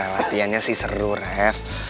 latihan sih seru ref